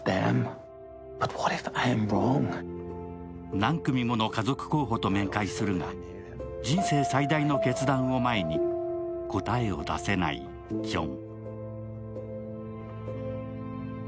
何組もの家族候補と面会するが人生最大の決断を前に答えを出せないジョン。